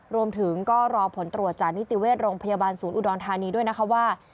รวมถึงก็รอผลตรวจจากนิติเวชโรงพยาบาลศูนย์อุดรธานีด้วยนะคะว่า